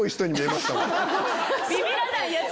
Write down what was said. ビビらないヤツ。